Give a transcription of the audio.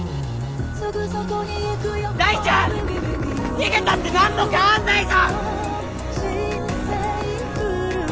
逃げたって何も変わんないぞ！